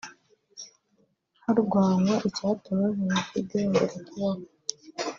harwanywa icyatuma Jenoside yongera kubaho